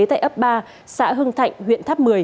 tại ấp ba xã hưng thạnh huyện tháp một mươi